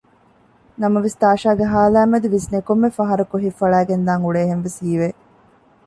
ނަމަވެސް ތާޝާގެ ހާލާއިމެދު ވިސްނޭ ކޮންމެ ފަހަރަކު ހިތް ފަޅައިގެންދާން އުޅޭހެންވެސް ހީވެ